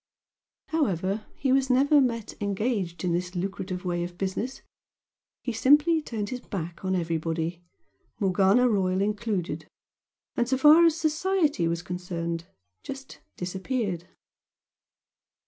However, he was never met engaged in this lucrative way of business, he simply turned his back on everybody, Morgana Royal included, and so far as "society" was concerned, just disappeared.